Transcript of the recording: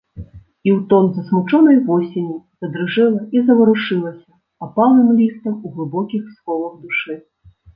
І ў тон засмучонай восені задрыжэла і заварушылася апалым лістам у глыбокіх сховах душы.